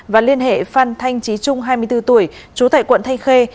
và liên hệ phan thanh trí trung hai mươi bốn tuổi trú tại quận thanh khê